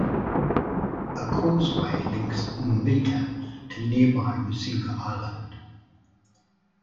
A causeway links Mbita to nearby Rusinga Island.